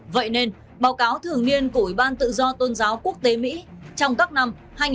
vậy nên báo cáo thường niên của ủy ban tự do tôn giáo quốc tế mỹ trong các năm hai nghìn một mươi bảy hai nghìn một mươi tám